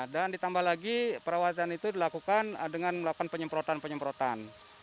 dan ditambah lagi perawatan itu dilakukan dengan melakukan penyemprotan penyemprotan